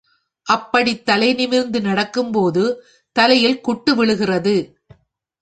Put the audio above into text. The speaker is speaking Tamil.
அப்படித் தலைநிமிர்ந்து நடக்கும்போது தலையில் குட்டு விழுகிறது.